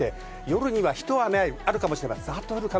夜にひと雨あるかもしれません。